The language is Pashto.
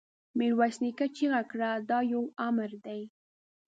ميرويس نيکه چيغه کړه! دا يو امر دی!